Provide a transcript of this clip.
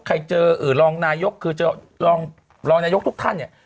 ใครเจอเอ่อรองนายุคคือจะรองรองนายุคทุกท่านเนี้ย